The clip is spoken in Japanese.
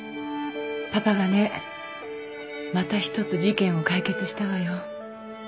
パパがねまた１つ事件を解決したわよ。